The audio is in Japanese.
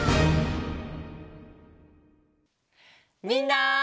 みんな！